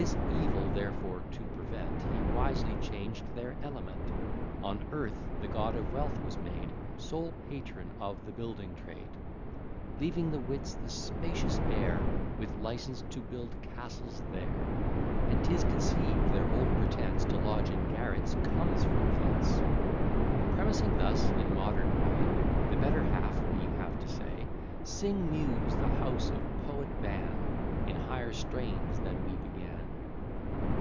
This evil, therefore, to prevent, He wisely changed their element: On earth the God of Wealth was made Sole patron of the building trade; Leaving the Wits the spacious air, With license to build castles there: And 'tis conceived their old pretence To lodge in garrets comes from thence. Premising thus, in modern way, The better half we have to say; Sing, Muse, the house of Poet Van, In higher strains than we began.